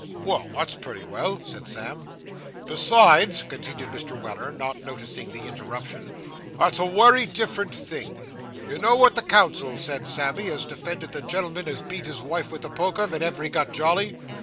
'Well; that's pretty well,' said Sam. 'Besides,' continued Mr. Weller, not noticing the interruption, 'that's a wery different thing. You know what the counsel said, Sammy, as defended the gen'l'm'n as beat his wife with the poker, venever he got jolly.